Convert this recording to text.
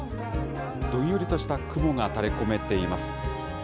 どんよりとした雲がたれ込めています。